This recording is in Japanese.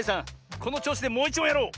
このちょうしでもういちもんやろう！